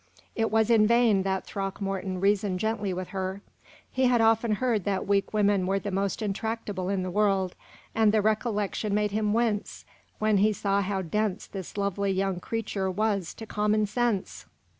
It was in vain that Throckmorton reasoned gently with her. He had often heard that weak women were the most intractable in the world, and the recollection made him wince when he saw how dense this lovely young creature was to common sense.